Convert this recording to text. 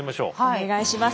お願いします。